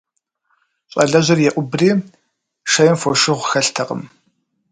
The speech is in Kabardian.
Щӏалэжьыр еӏубри, - шейм фошыгъу хэлътэкъым.